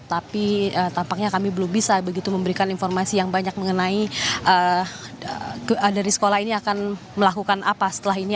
tapi tampaknya kami belum bisa begitu memberikan informasi yang banyak mengenai dari sekolah ini akan melakukan apa setelah ini